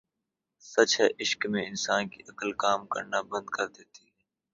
سچ ہے عشق میں انسان کی عقل کام کرنا بند کر دیتی ہے